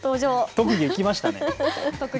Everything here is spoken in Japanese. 特技、きましたね。